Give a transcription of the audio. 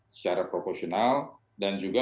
secara proporsional dan juga